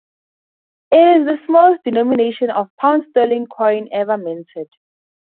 It is the smallest denomination of pound sterling coin ever minted.